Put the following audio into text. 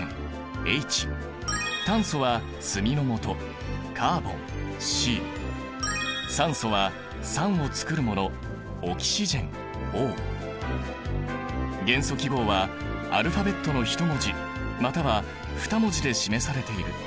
炭素は炭のもと酸素は酸を作るもの元素記号はアルファベットの１文字または２文字で示されている。